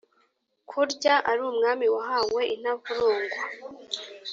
Kurya ari Umwami wahawe intavurungwa,